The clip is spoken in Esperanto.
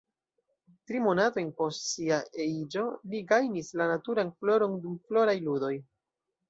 Tri monatojn post sia E-iĝo li gajnis la naturan floron dum Floraj Ludoj.